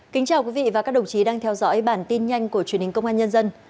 kính chào quý vị và các đồng chí đang theo dõi bản tin nhanh của truyền hình công an nhân dân